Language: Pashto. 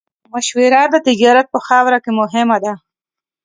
مشوره د تجارت په چارو کې مهمه ده.